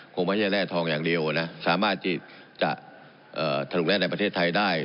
คงไม่ใช่แร่ทองอย่างเดียวนะสามารถที่จะถลุงแร่ในประเทศไทยได้